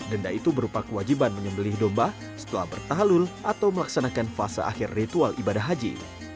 denda itu berupa kewajiban menyembelih domba setelah bertahlul atau melaksanakan fase akhir ritual ibadah haji